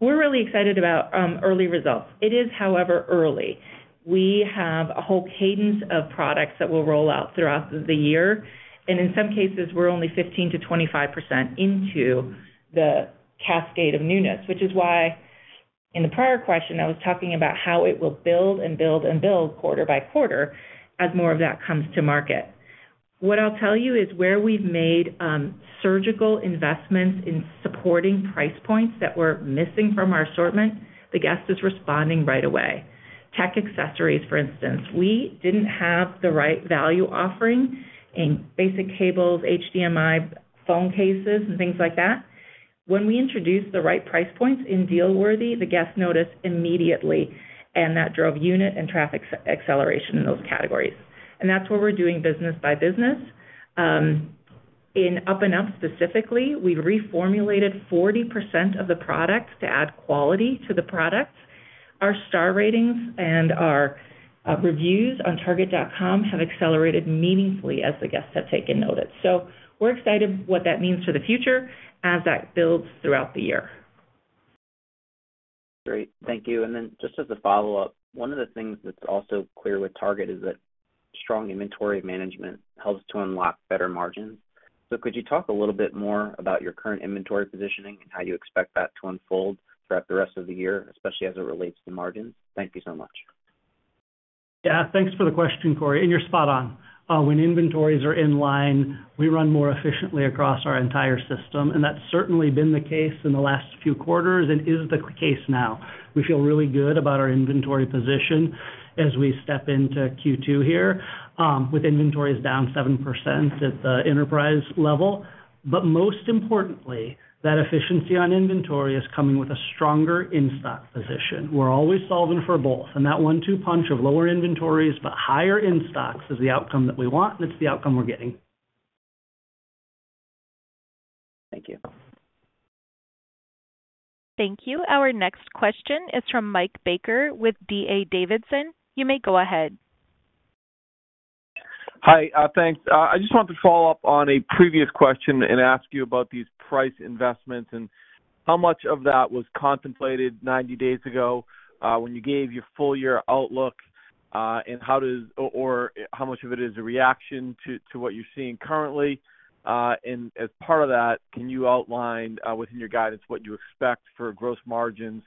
We're really excited about early results. It is, however, early. We have a whole cadence of products that we'll roll out throughout the year, and in some cases, we're only 15%-25% into the cascade of newness, which is why in the prior question, I was talking about how it will build and build and build quarter by quarter as more of that comes to market. What I'll tell you is where we've made surgical investments in supporting price points that were missing from our assortment, the guest is responding right away. Tech accessories, for instance, we didn't have the right value offering in basic cables, HDMI, phone cases, and things like that. When we introduced the right price points in Dealworthy, the guests noticed immediately, and that drove unit and traffic acceleration in those categories. That's where we're doing business by business. In Up & Up specifically, we reformulated 40% of the products to add quality to the products. Our star ratings and our reviews on Target.com have accelerated meaningfully as the guests have taken notice. So we're excited what that means for the future as that builds throughout the year. Great. Thank you. And then just as a follow-up, one of the things that's also clear with Target is that strong inventory management helps to unlock better margins. So could you talk a little bit more about your current inventory positioning and how you expect that to unfold throughout the rest of the year, especially as it relates to margins? Thank you so much. Yeah, thanks for the question, Corey, and you're spot on. When inventories are in line, we run more efficiently across our entire system, and that's certainly been the case in the last few quarters and is the case now. We feel really good about our inventory position as we step into Q2 here, with inventories down 7% at the enterprise level. But most importantly, that efficiency on inventory is coming with a stronger in-stock position. We're always solving for both, and that one-two punch of lower inventories but higher in-stocks is the outcome that we want, and it's the outcome we're getting. Thank you. Thank you. Our next question is from Mike Baker with D.A. Davidson. You may go ahead. Hi, thanks. I just wanted to follow up on a previous question and ask you about these price investments and how much of that was contemplated 90 days ago, when you gave your full year outlook, and how does or how much of it is a reaction to what you're seeing currently? And as part of that, can you outline, within your guidance, what you expect for gross margins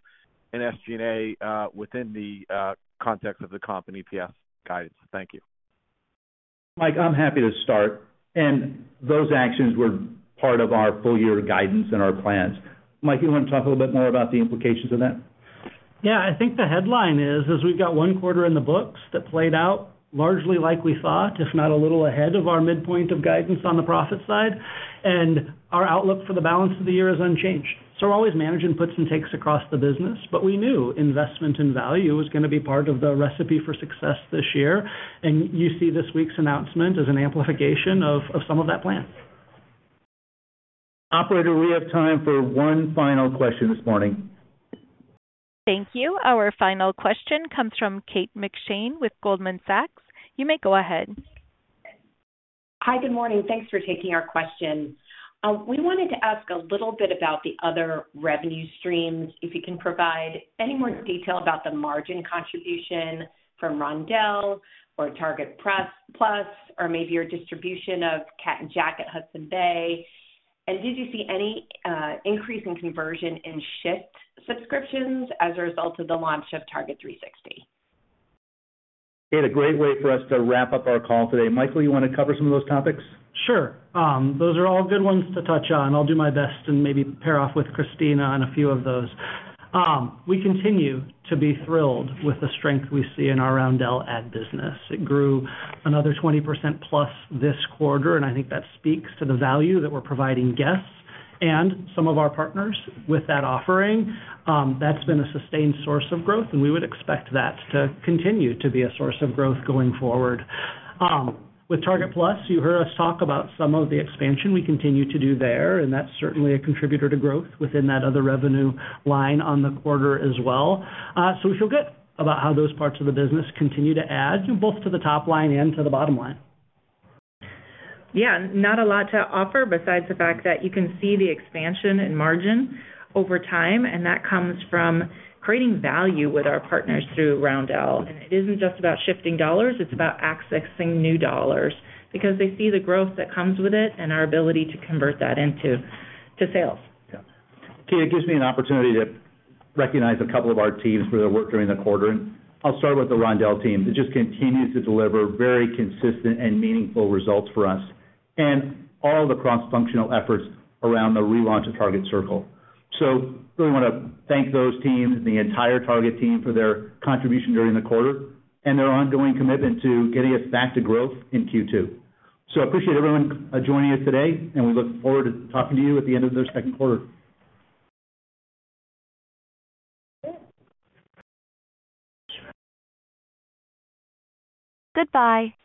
and SG&A, within the context of the comp and EPS guidance? Thank you. Mike, I'm happy to start, and those actions were part of our full year guidance and our plans. Mike, you wanna talk a little bit more about the implications of that? Yeah. I think the headline is we've got one quarter in the books that played out largely like we thought, if not a little ahead of our midpoint of guidance on the profit side, and our outlook for the balance of the year is unchanged. We're always managing puts and takes across the business, but we knew investment in value was gonna be part of the recipe for success this year, and you see this week's announcement as an amplification of some of that plan. Operator, we have time for one final question this morning. Thank you. Our final question comes from Kate McShane with Goldman Sachs. You may go ahead. Hi, good morning. Thanks for taking our question. We wanted to ask a little bit about the other revenue streams, if you can provide any more detail about the margin contribution from Roundel or Target Plus, or maybe your distribution of Cat & Jack at Hudson's Bay. Did you see any increase in conversion in Shipt subscriptions as a result of the launch of Target Circle 360? Kate, a great way for us to wrap up our call today. Michael, you wanna cover some of those topics? Sure. Those are all good ones to touch on. I'll do my best and maybe pair off with Christina on a few of those. We continue to be thrilled with the strength we see in our Roundel ad business. It grew another 20%+ this quarter, and I think that speaks to the value that we're providing guests and some of our partners with that offering. That's been a sustained source of growth, and we would expect that to continue to be a source of growth going forward. With Target Plus, you heard us talk about some of the expansion we continue to do there, and that's certainly a contributor to growth within that other revenue line on the quarter as well. We feel good about how those parts of the business continue to add both to the top line and to the bottom line. Yeah. Not a lot to offer besides the fact that you can see the expansion and margin over time, and that comes from creating value with our partners through Roundel. It isn't just about shifting dollars, it's about accessing new dollars, because they see the growth that comes with it and our ability to convert that into sales. Yeah. Kate, it gives me an opportunity to recognize a couple of our teams for their work during the quarter, and I'll start with the Roundel team. It just continues to deliver very consistent and meaningful results for us and all the cross-functional efforts around the relaunch of Target Circle. So really wanna thank those teams and the entire Target team for their contribution during the quarter and their ongoing commitment to getting us back to growth in Q2. So I appreciate everyone joining us today, and we look forward to talking to you at the end of the second quarter. Goodbye!